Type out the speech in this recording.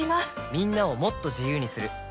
みんなをもっと自由にする「三菱冷蔵庫」